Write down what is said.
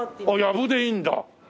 やぶでいいんだ。